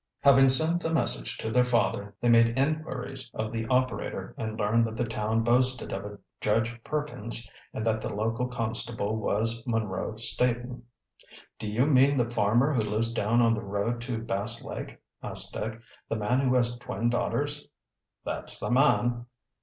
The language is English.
Having sent the message to their father they made inquiries of the operator and learned that the town boasted of a Judge Perkins and that the local constable was Munro Staton. "Do you mean the farmer who lives down on the road to Bass Lake?" asked Dick. "The man who has twin daughters?" "That's the man."